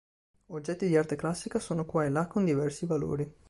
Oggetti di arte classica sono qua e là con diversi valori.